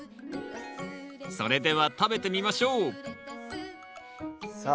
それでは食べてみましょうさあ